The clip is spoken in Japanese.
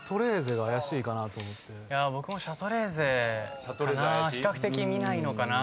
僕もシャトレーゼかな。